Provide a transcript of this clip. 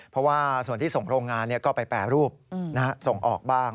เพราะว่าส่วนที่ส่งโรงงานก็ไปแปรรูปส่งออกบ้าง